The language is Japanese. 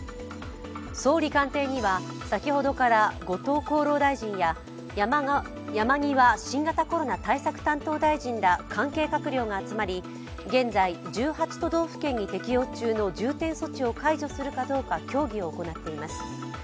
総理官邸には先ほどから後藤厚労大臣や山際新型コロナ対策担当大臣ら関係閣僚が集まり現在１８都道府県に適用中の重点措置を解除するかどうか協議を行っています。